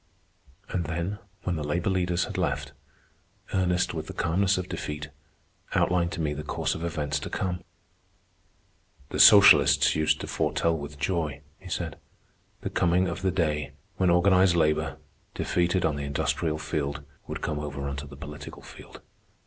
And then, when the labor leaders had left, Ernest, with the calmness of defeat, outlined to me the course of events to come. "The socialists used to foretell with joy," he said, "the coming of the day when organized labor, defeated on the industrial field, would come over on to the political field.